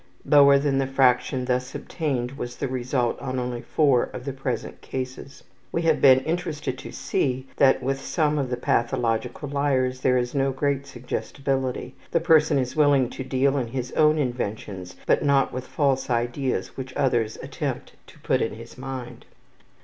Lower than the fraction thus obtained was the result on only 4 of the present cases. We have been interested to see that with some of the pathological liars there is no great suggestibility. The person is willing to deal in his own inventions, but not with false ideas which others attempt to put in his mind.